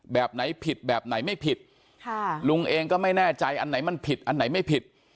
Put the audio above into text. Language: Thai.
แบบไหนผิดแบบไหนไม่ผิดค่ะลุงเองก็ไม่แน่ใจอันไหนมันผิดอันไหนไม่ผิด